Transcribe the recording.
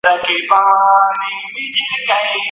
چي پیدا دی له قسمته څخه ژاړي